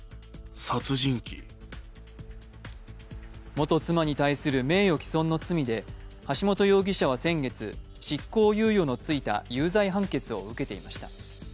元妻に対する名誉毀損の罪で、橋本容疑者は先月執行猶予のついた有罪判決を受けていました。